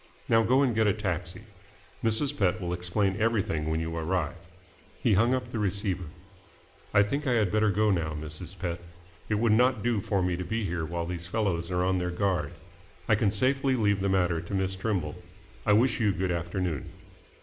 Now go and get a taxi. Mrs. Pett will explain everything when you arrive." He hung up the receiver. "I think I had better go now, Mrs. Pett. It would not do for me to be here while these fellows are on their guard. I can safely leave the matter to Miss Trimble. I wish you good afternoon."